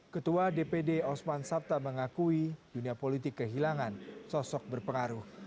ketua dpd osman sabta mengakui dunia politik kehilangan sosok berpengaruh